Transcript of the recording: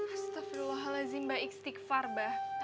astagfirullahaladzim mbak iqstikfar mbak